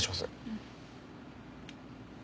うん。